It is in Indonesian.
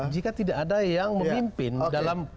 jika tidak ada yang memimpin dalam